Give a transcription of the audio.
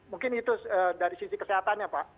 mungkin itu dari sisi kesehatannya pak